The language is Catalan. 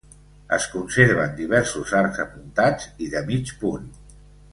Es conserven diversos arcs apuntats i de mig punt.